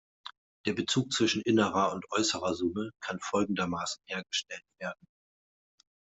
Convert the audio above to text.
Der Bezug zwischen innerer und äußerer Summe kann folgendermaßen hergestellt werden.